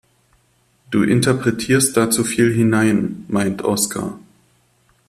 Du interpretierst da zu viel hinein, meint Oskar.